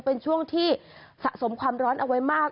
เป็นช่วงที่สะสมความร้อนเอาไว้มาก